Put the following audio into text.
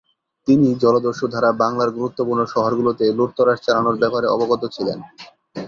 তিনি জলদস্যু দ্বারা বাংলার গুরুত্বপূর্ণ শহর গুলোতে লুটতরাজ চালানোর ব্যাপারে অবগত ছিলেন।